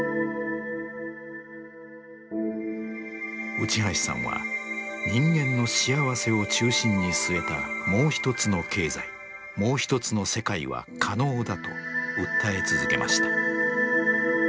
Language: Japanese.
内橋さんは人間の幸せを中心に据えたもう一つの経済もう一つの世界は可能だと訴え続けました。